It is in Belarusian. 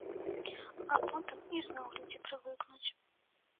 А потым ізноў людзі прывыкнуць.